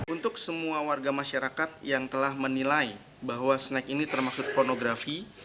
untuk semua warga masyarakat yang telah menilai bahwa snack ini termasuk pornografi